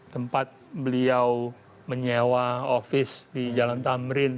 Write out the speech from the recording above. tempat beliau menyewa ofis di jalan tamrin